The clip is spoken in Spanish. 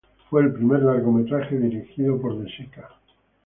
Fue el primer largometraje dirigido por De Sica.